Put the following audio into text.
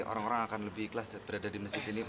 orang orang akan lebih ikhlas berada di masjid ini pak